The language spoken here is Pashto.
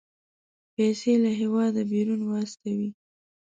پيسې له هېواده بيرون واستوي.